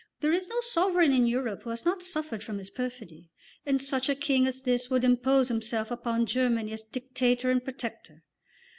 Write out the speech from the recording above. There is no sovereign in Europe who has not suffered from his perfidy. And such a king as this would impose himself upon Germany as dictator and protector!